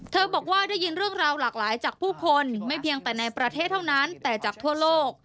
บอกว่าได้ยินเรื่องราวหลากหลายจากผู้คนไม่เพียงแต่ในประเทศเท่านั้นแต่จากทั่วโลก